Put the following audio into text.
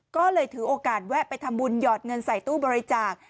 ก็เลยถือโอกาสแวะไปทำบุญหยอดเงินใส่ตู้บริจาค